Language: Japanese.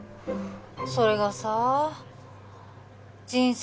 それがさ人生